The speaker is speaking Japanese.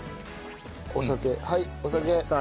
お酒はいお酒。